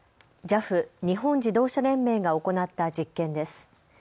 ＪＡＦ・日本自動車連盟が行った実験です。